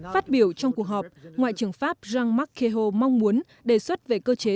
phát biểu trong cuộc họp ngoại trưởng pháp jean marc quijaut mong muốn đề xuất về cơ chế